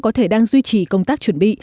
có thể đang duy trì công tác chuẩn bị